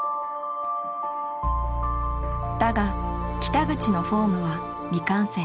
だが北口のフォームは未完成。